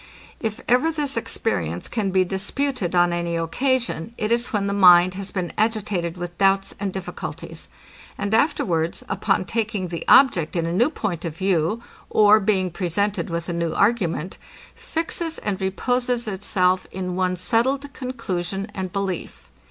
If ever this experience can be disputed on any occasion, it is when the mind has been agitated with doubts and difficulties; and afterwards, upon taking the object in a new point of view, or being presented with a new argument, fixes and reposes itself in one settled conclusion and belief.